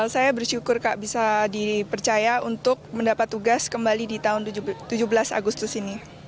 saya bersyukur kak bisa dipercaya untuk mendapat tugas kembali di tahun tujuh belas agustus ini